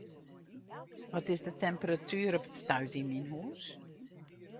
Wat is de temperatuer op it stuit yn myn hûs?